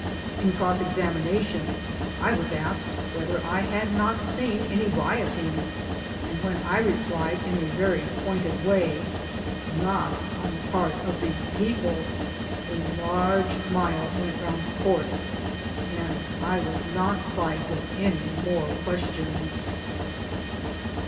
In cross examination I was asked whether I had not seen any rioting ; and when I replied in a very pointed way " Not on the part of the people \" a large smile went round the Court, and I was not plied with any more questions.